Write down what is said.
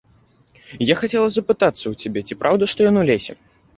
Я хацела запытацца ў цябе, ці праўда, што ён у лесе.